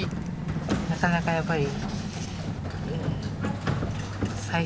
なかなかやっぱり。